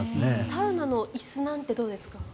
サウナの椅子なんてどうですか？